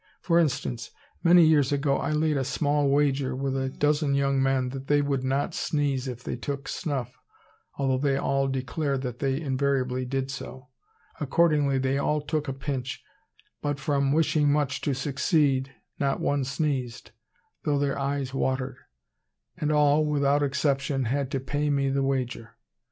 For instance, many years ago I laid a small wager with a dozen young men that they would not sneeze if they took snuff, although they all declared that they invariably did so; accordingly they all took a pinch, but from wishing much to succeed, not one sneezed, though their eyes watered, and all, without exception, had to pay me the wager.